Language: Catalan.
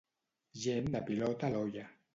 Gent de pilota a l'olla.